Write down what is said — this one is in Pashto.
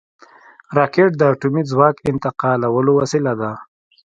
راکټ د اټومي ځواک انتقالولو وسیله ده